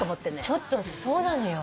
ちょっとそうなのよ。